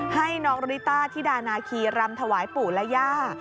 ให้น้องริต้าธิดานาคีรำถวายปู่และย่า